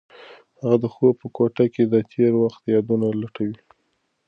هغه د خوب په کوټه کې د تېر وخت یادونه لټوي.